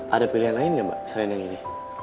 ada pilihan lain gak mbak selain yang ini